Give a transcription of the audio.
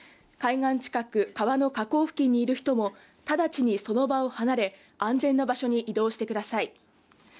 海岸近く、川の河口付近にいる人も、直ちにその場を離れ、安全な場所に移動してください。